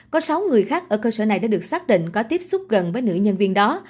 có sáu người khác ở cơ sở này đã được xác định có tiếp xúc gần với nữ nhân viên đó